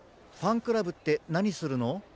ファンクラブってなにするの？